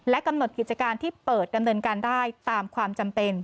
กำหนดกิจการที่เปิดดำเนินการได้ตามความจำเป็น